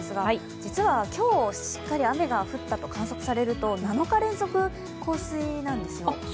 実は、今日、しっかり雨が降ったと観測されると７日連続で降水なんですよ。